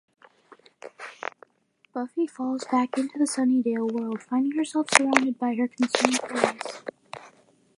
Buffy falls back into the Sunnydale world, finding herself surrounded by her concerned friends.